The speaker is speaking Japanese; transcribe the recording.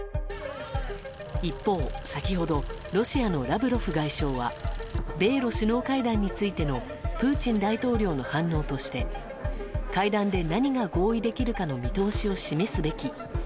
一方、先ほどロシアのラブロフ外相は米露首脳会談についてのプーチン大統領の反応として会談で何が合意できるかの見通しを示すべき。